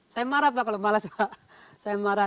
saya marah kalau malas pak